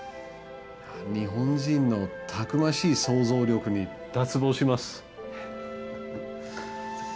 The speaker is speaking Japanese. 日本人のたくましい想像力に脱帽します。